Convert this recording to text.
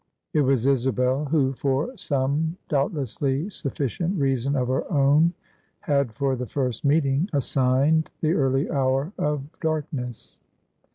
It was Isabel, who for some doubtlessly sufficient reason of her own, had, for the first meeting, assigned the early hour of darkness.